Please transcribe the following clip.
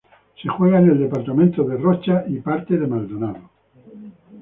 Se juega en el Departamento de Rocha y parte de Maldonado.